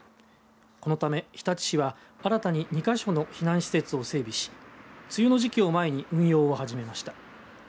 このため日立市は新たに２か所の避難施設を整備し梅雨の時期を前に運用を始めました。